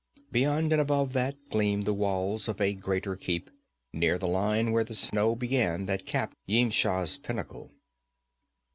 Beyond and above that gleamed the walls of a greater keep, near the line where the snow began that capped Yimsha's pinnacle.